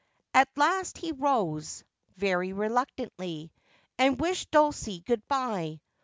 At last he rose, very reluctantly, and wished Dulcie good bye.